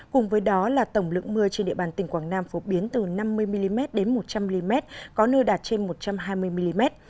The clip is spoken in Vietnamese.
cùng với đó là tổng lượng mưa trên địa bàn tỉnh quảng nam phổ biến từ năm mươi mm đến một trăm linh mm có nơi đạt trên một trăm hai mươi mm